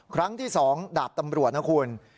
ครั้งที่๒ดาบตำรวจนะคุณ